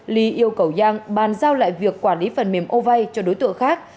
li yêu cầu yang bàn giao lại việc quản lý phần mềm ovai cho đối tượng khác